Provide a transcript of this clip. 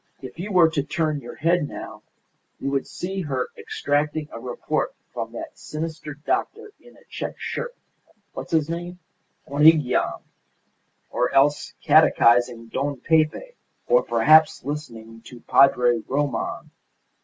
If you were to turn your head now you would see her extracting a report from that sinister doctor in a check shirt what's his name? Monygham or else catechising Don Pepe or perhaps listening to Padre Roman.